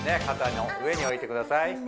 肩の上に置いてください